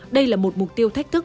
đây là một mục tiêu thách thức